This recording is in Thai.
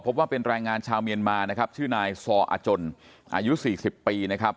ว่าเป็นแรงงานชาวเมียนมานะครับชื่อนายซออาจนอายุ๔๐ปีนะครับ